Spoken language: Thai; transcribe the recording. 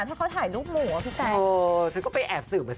ถ้าเขาถ่ายรูปหมู่อ่ะพี่แต๊เออฉันก็ไปแอบสืบมาสิ